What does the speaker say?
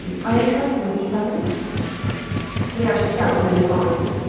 Are they trustworthy fellows?" "They are stout men at arms.